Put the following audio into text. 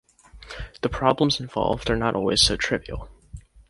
The problems involved are not always so trivial.